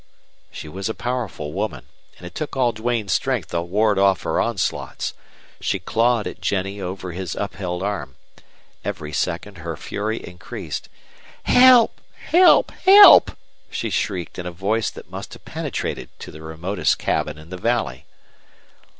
She was a powerful woman, and it took all Duane's strength to ward off her onslaughts. She clawed at Jennie over his upheld arm. Every second her fury increased. "HELP! HELP! HELP!" she shrieked, in a voice that must have penetrated to the remotest cabin in the valley.